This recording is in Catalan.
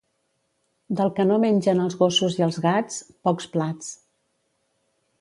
Del que no mengen els gossos i els gats, pocs plats.